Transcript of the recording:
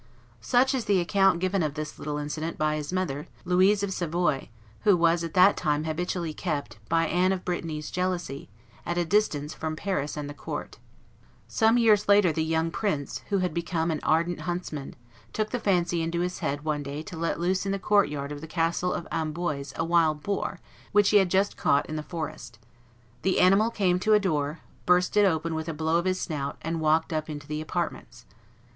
Such is the account given of this little incident by his mother, Louise of Savoy, who was at that time habitually kept, by Anne of Brittany's jealousy, at a distance from Paris and the court. [Journal de Louise de Savoie in the Petitot collection of Memoires sur l'Histoire de France, Series I. t. xvi. p. 390.] Some years later the young prince, who had become an ardent huntsman, took the fancy into his head one day to let loose in the courtyard of the castle of Amboise a wild boar which he had just caught in the forest. The animal came to a door, burst it open with a blow of his snout, and walked up into the apartments.